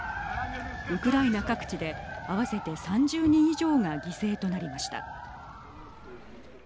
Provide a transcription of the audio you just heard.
ウクライナ各地で合わせて３０人以上が犠牲となりました。